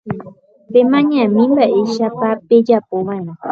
Pemañami mba'éichapa pejapova'erã